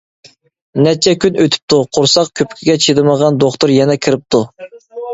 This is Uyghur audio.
نەچچە كۈن ئۆتۈپتۇ، قورساق كۆپۈكىگە چىدىمىغان دوختۇر يەنە كىرىپتۇ.